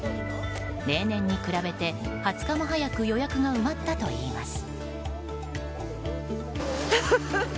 例年に比べて、２０日も早く予約が埋まったといいます。